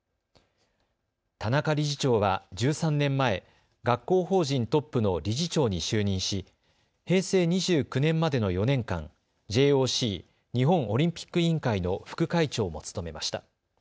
田中理事長は１３年前、学校法人トップの理事長に就任し平成２９年までの４年間、ＪＯＣ・日本オリンピック委員会の副会長も務めました。